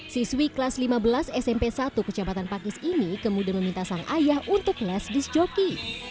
siswi kelas lima belas smp satu kecamatan pakis ini kemudian meminta sang ayah untuk les disc joki